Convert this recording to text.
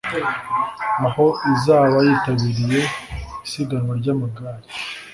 aho izaba yitabiriye isiganwa ry’amagare